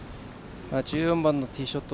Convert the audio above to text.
１４番のティーショット